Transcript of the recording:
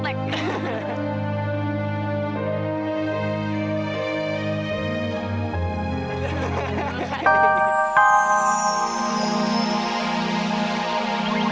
sekali lagi ya